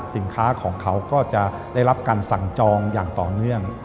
สินค้าของเขาก็จะได้รับการสั่งจองอย่างต่อเนื่อง